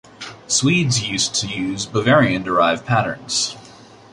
Swedes used to use Bavarian derived patterns.